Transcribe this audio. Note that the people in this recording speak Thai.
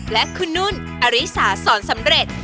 และคุณนุ่นอริสาสอนสำเร็จ